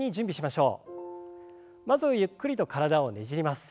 まずはゆっくりと体をねじります。